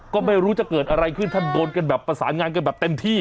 ก็ไม่รู้จะเกิดอะไรขึ้นถ้าโดนกันแบบประสานงานกันแบบเต็มที่